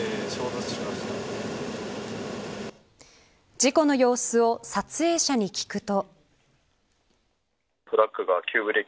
事故の様子を撮影者に聞くと。